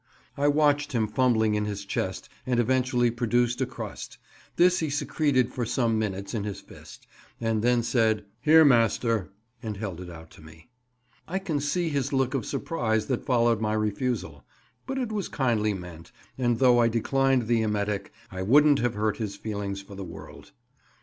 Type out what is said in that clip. I watched him fumbling in his chest and eventually produce a crust; this he secreted for some minutes in his fist, and then said, "Here, master," and held it out to me. I can see his look of surprise that followed my refusal; but it was kindly meant, and though I declined the emetic, I wouldn't have hurt his feelings for the world.